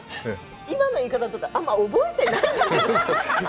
今の言い方だとあまり覚えていないという。